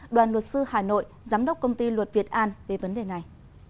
đoàn luật sư hà nội giám đốc công ty luật việt an về vấn đề này